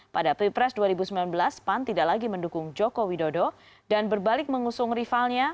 pada pilpres dua ribu sembilan belas pan tidak lagi mendukung joko widodo dan berbalik mengusung rivalnya